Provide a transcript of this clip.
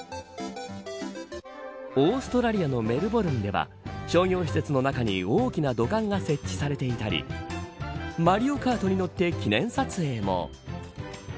オーストラリアのメルボルンでは商業施設の中に大きな土管が設置されていたりマリオカートに乗って記念撮影も。